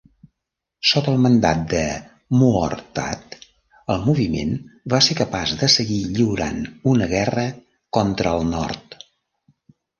Sota el mandat de Muortat, el moviment va ser capaç de seguir lliurant una guerra contra el nord.